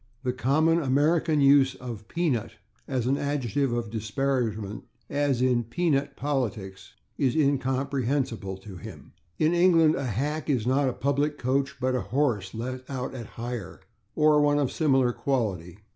The common American use of /peanut/ as an adjective of disparagement, as in /peanut politics/, is incomprehensible to him. In England a /hack/ is not a public coach, but a horse let out at hire, or one of similar quality.